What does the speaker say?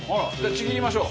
ちぎりましょう。